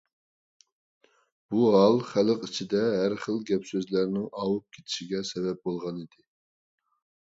بۇ ھال خەلق ئىچىدە ھەر خىل گەپ-سۆزلەرنىڭ ئاۋۇپ كېتىشىگە سەۋەب بولغانىدى.